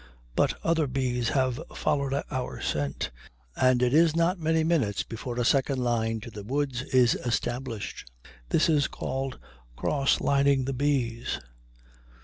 But other bees have followed our scent, and it is not many minutes before a second line to the woods is established. This is called cross lining the bees.